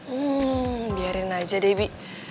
hmm biarin aja deh ibi